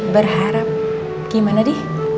berharap gimana di